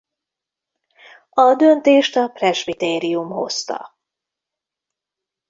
A döntést a presbitérium hozta.